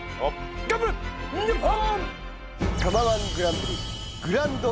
頑張れ。日本！